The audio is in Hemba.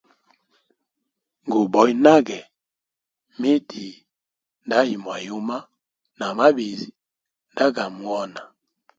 Nguboya nage miti nda yimwayuma na mabizi nda ga muhona.